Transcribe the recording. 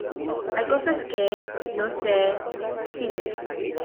hay cosas que no se deciden.